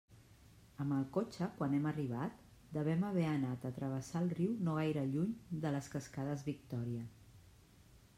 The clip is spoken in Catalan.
Amb el cotxe, quan hem arribat, devem haver anat a travessar el riu no gaire lluny de les cascades Victòria.